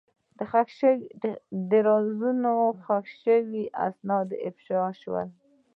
د رازونو ښخ شوي اسناد افشا شول.